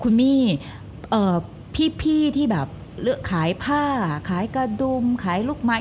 คุณมี่พี่ที่แบบขายผ้าขายกระดุมขายลูกไม้